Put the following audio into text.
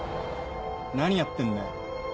何やってんだよ。